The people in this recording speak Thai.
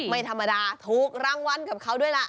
ไม่ธรรมดาถูกรางวัลกับเขาด้วยล่ะ